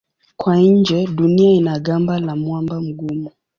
Kwa nje Dunia ina gamba la mwamba mgumu.